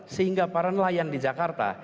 sehingga para nelayan di jakarta